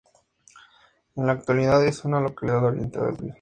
En la actualidad es una localidad orientada al turismo.